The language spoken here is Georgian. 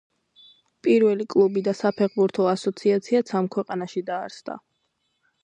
პირველი კლუბი და საფეხბურთო ასოციაციაც ამ ქვეყანაში დაარსდა